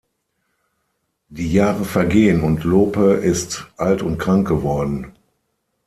Die Jahre vergehen, und Lope ist alt und krank geworden.